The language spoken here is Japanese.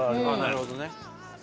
なるほどね。